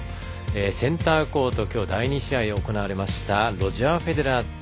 センターコート第２試合が行われたロジャー・フェデラー対